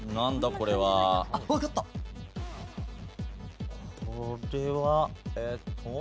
これはえっと。